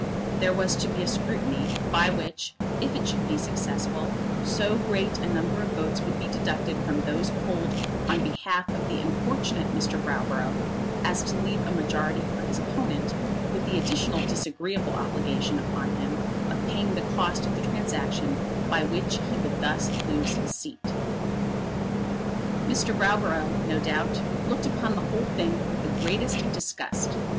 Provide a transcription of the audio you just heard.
There was to be a scrutiny, by which, if it should be successful, so great a number of votes would be deducted from those polled on behalf of the unfortunate Mr. Browborough as to leave a majority for his opponent, with the additional disagreeable obligation upon him of paying the cost of the transaction by which he would thus lose his seat. Mr. Browborough, no doubt, looked upon the whole thing with the greatest disgust.